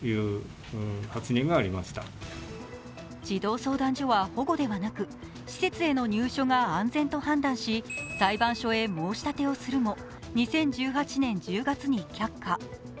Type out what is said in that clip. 児童相談所は保護ではなく施設への入所が安全と判断し裁判所へ申し立てをするも２０１８年１０月に却下。